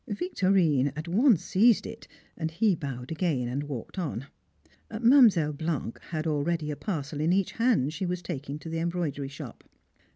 Victorine at once seized it, and he bowed again and walked on. Mademoiselle Blanc had already a parcel in each hand she was taking to the embroidery shop.